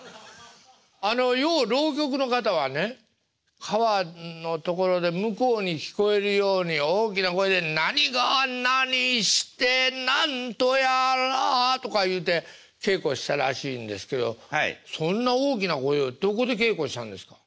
あのよう浪曲の方はね川のところで向こうに聞こえるように大きな声で何が何して何とやらとか言うて稽古したらしいんですけどそんな大きな声をどこで稽古したんですか？